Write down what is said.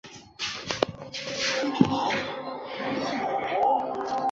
在希腊人的诸多城市中体力工作都由奴隶担任。